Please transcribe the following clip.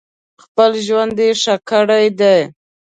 خپل ژوند یې ښه کړی دی.